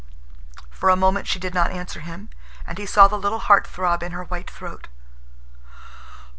For a moment she did not answer him, and he saw the little heart throb in her white throat.